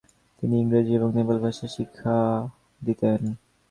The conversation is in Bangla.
তিনি ইংরেজি এবং নেপাল ভাষা শিক্ষা দিতেন।